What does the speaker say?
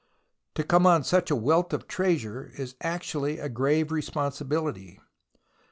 To come on such a wealth of treasure is actually a grave responsibihty.